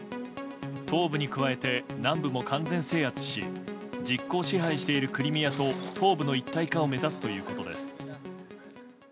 東部に加えて南部も完全制圧し実効支配しているクリミアと東部の一体化を目指すということです。